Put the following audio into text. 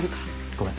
ごめん。